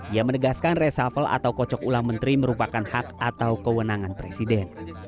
ia menegaskan reshuffle atau kocok ulang menteri merupakan hak atau kewenangan presiden